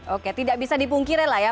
oke tidak bisa dipungkiri lah ya